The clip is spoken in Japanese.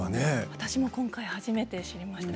私も今回、初めて知りました。